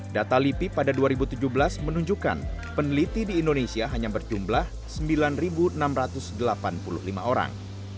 data lipi pada dua ribu tujuh belas menunjukkan peneliti di indonesia hanya berjumlah sembilan enam ratus delapan puluh lima orang